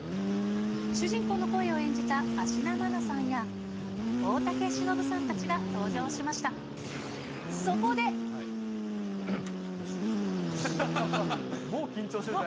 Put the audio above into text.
主人公の声を演じた芦田愛菜さんや大竹しのぶさんたちが登場しました。